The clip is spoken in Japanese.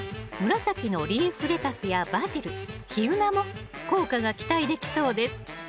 紫のリーフレタスやバジルヒユナも効果が期待できそうですＯＫ。